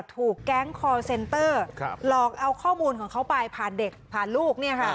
ถูกแก๊งคอร์เซนเตอร์หลอกเอาข้อมูลของเขาไปผ่านเด็กผ่านลูก